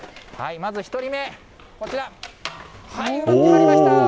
まず１人目、こちら、はい、うまく決まりました。